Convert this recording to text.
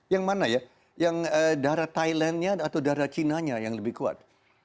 yang mana ya yang darah thailandnya atau darah cinanya yang lebih kuat